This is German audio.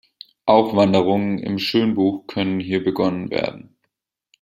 Auch Wanderungen im Schönbuch können hier begonnen werden.